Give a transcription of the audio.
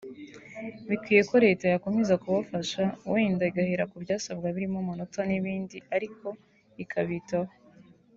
bikwiye ko leta yakomeza kubafasha wenda igahera ku byasabwa birimo amanota n’ibindi ariko ikabitaho